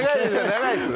長いですね